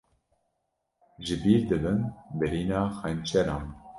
Jibîr dibin birîna xençeran